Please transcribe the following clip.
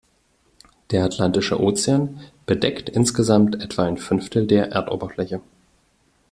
Der Atlantische Ozean bedeckt insgesamt etwa ein Fünftel der Erdoberfläche.